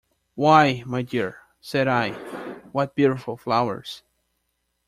"Why, my dear," said I, "what beautiful flowers!"